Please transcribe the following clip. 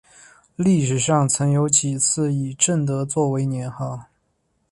历史上曾有几次以正德作为年号。